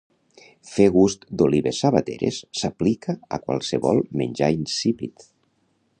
Fer gust d'olives sabateres s'aplica a qualsevol menjar insípid